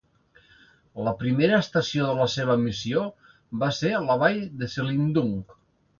La primera estació de la seva missió va ser la vall de Silindung.